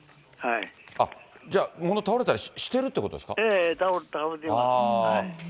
じゃあ、物倒れたりしてるってことですか？